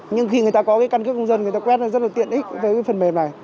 nhưng khi người ta có cái căn cước công dân người ta quét rất là tiện ích với cái phần mềm này